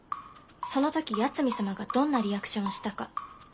その時八海サマがどんなリアクションしたか。